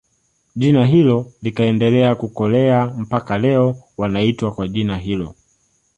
Jina hilo likaendelea kukolea mpaka leo wanaitwa kwa jina hilo